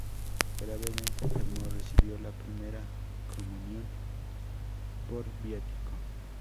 Gravemente enfermo, recibió la primera Comunión por Viático.